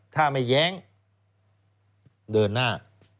ถ้าไม่แย้งเดินหน้า